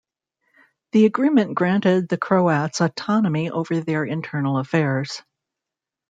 The agreement granted the Croats autonomy over their internal affairs.